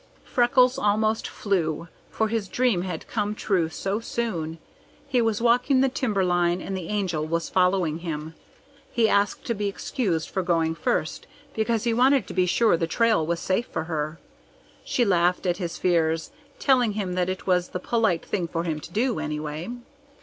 Freckles almost flew, for his dream had come true so soon. He was walking the timber line and the Angel was following him. He asked to be excused for going first, because he wanted to be sure the trail was safe for her. She laughed at his fears, telling him that it was the polite thing for him to do, anyway.